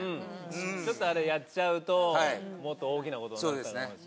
ちょっとあれやっちゃうともっと大きなことになってたかもしれないよね。